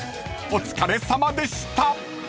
［お疲れさまでした］